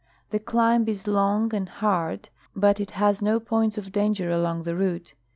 The climl) is long and hard, l)ut it has no points of danger along the route.